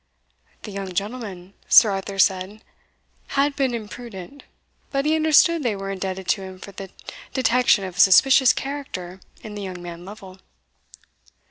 "The young gentleman," Sir Arthur said, "had been imprudent; but he understood they were indebted to him for the detection of a suspicious character in the young man Lovel."